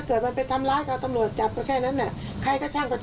เอานั่งทูลเขาคุยอะไรกันเราก็ไม่รู้